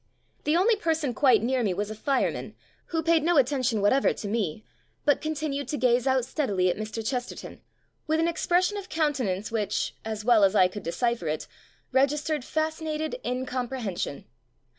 The only person quite near me was a fireman, who paid no attention what ever to me but continued to gaze out steadily at Mr. Chesterton, with an ex pression of countenance which (as well as I could decipher it) registered fascinated incomprehension.